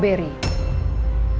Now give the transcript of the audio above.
sekeluarga itu adalah kue stroberi